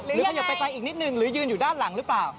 หรือเขาอยู่ใกล้อีกนิดนึงหรือยืนอยู่ด้านหลังหรือเปล่า